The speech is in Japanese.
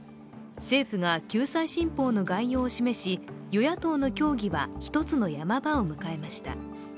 政府が救済新法の概要を示し与野党の協議は１つのヤマ場を迎えました。